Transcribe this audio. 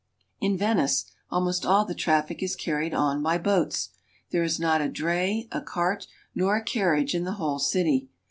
In Venice almost all the traffic is carried on by boats. There is not a dray, a cart, nor a carriage in the whole city.